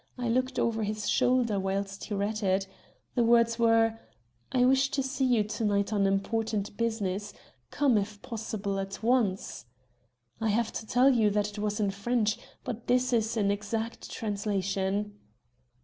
I looked over his shoulder whilst he read it. The words were: 'I wish to see you to night on important business. Come, if possible, at once.' I have to tell you that it was in French, but this is an exact translation."